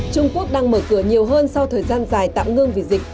trung quốc đang mở cửa nhiều hơn sau thời gian dài tạm ngưng vì dịch